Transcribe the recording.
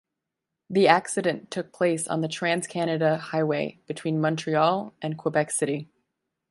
The accident took place on the Trans-Canada Highway between Montreal and Quebec City.